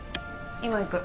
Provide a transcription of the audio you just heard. ・今行く。